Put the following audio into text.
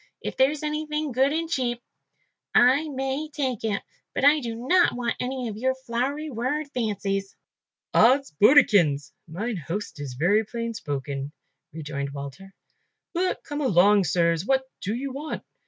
If there's anything good and cheap, I may take it, but I do not want any of your flowery word fancies." "Odds bodikins! mine host is very plain spoken," rejoined Walter, "but come along, sirs, what do you want?"